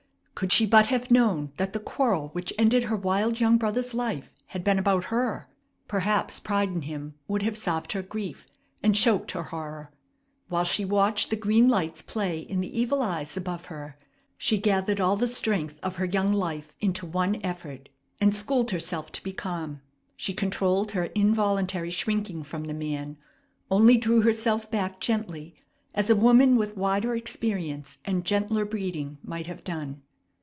Could she but have known that the quarrel which ended her wild young brother's life had been about her, perhaps pride in him would have salved her grief, and choked her horror. While she watched the green lights play in the evil eyes above her, she gathered all the strength of her young life into one effort, and schooled herself to be calm. She controlled her involuntary shrinking from the man, only drew herself back gently, as a woman with wider experience and gentler breeding might have done.